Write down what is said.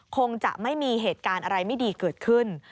คงจะไม่มีเหตุการณ์อะไรไม่ดีเกิดขึ้น